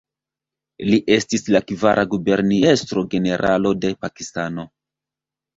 Li estis la kvara guberniestro-generalo de Pakistano.